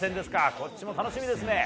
こちらも楽しみですね。